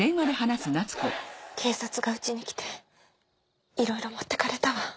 警察がうちに来ていろいろ持っていかれたわ。